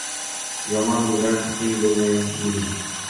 Yomon bilan teng bo‘lmayin, deymiz.